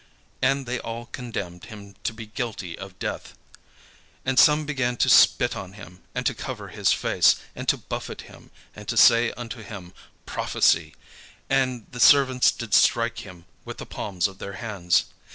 And they all condemned him to be guilty of death. And some began to spit on him, and to cover his face, and to buffet him, and to say unto him, "Prophesy:" and the servants did strike him with the palms of their hands.